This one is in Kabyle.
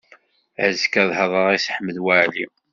Azekka ad hedreɣ i Si Ḥmed Waɛli.